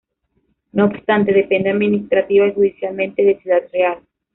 No obstante, depende administrativa y judicialmente de Ciudad Real.